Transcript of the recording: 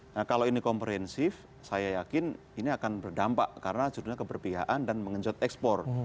nah kalau ini komprehensif saya yakin ini akan berdampak karena judulnya keberpihakan dan mengenjot ekspor